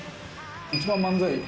一番漫才